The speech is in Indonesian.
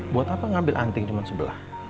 buat apa ngambil antik cuma sebelah